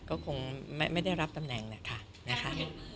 ก็คงไม่ได้รับตำแหน่งนะคะ